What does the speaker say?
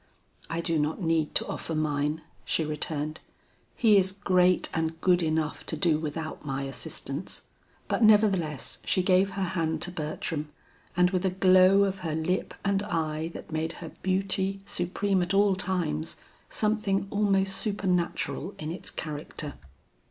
"I do not need to offer mine," she returned, "He is great and good enough to do without my assistance." But nevertheless she gave her hand to Bertram and with a glow of her lip and eye that made her beauty, supreme at all times, something almost supernatural in its character.